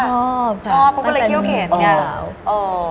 ชอบชอบเขาก็เลยเขี้ยวเข็นไง